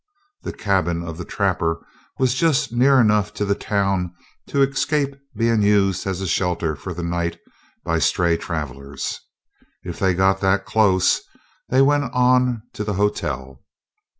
The cabin of the trapper was just near enough to the town to escape being used as a shelter for the night by stray travelers. If they got that close, they went on to the hotel.